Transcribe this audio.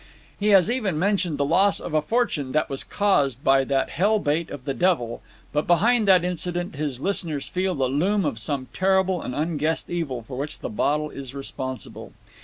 He has even mentioned the loss of a fortune that was caused by that hell bait of the devil, but behind that incident his listeners feel the loom of some terrible and unguessed evil for which the bottle is responsible.